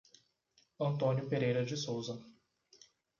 Antônio Pereira de Souza